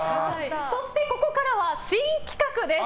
そしてここからは新企画です。